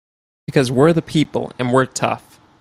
Because we're the people and we're tough!